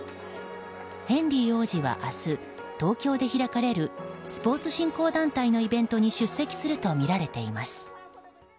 ヘンリー王子は明日東京で開かれるスポーツ振興団体のイベントに出席するとみられています。